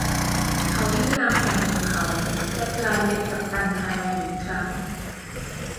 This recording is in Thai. เขาทิ้งนามแฝงของเขาและกลายเป็นกัปตันฮาร์แลนด์อีกครั้ง